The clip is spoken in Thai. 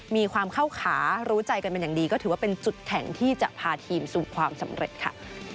มีความเข้าขารู้ใจกันเป็นอย่างดีก็ถือว่าเป็นจุดแข่งที่จะพาทีมสู่ความสำเร็จค่ะ